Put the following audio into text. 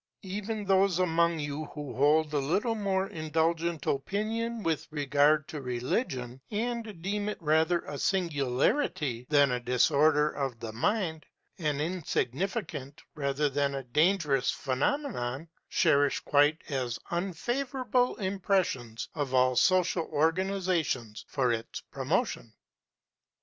Even those among you who hold a little more indulgent opinion with regard to religion, and deem it rather a singularity than a disorder of the mind, an insignificant rather than a dangerous phenomenon, cherish quite as unfavorable impressions of all social organization for its promotion.